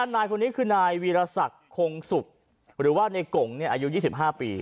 นายคนนี้คือนายวีรศักดิ์คงสุกหรือว่าในกงอายุ๒๕ปี